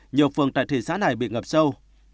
nhiều phường tại thị xã này bị ngập sâu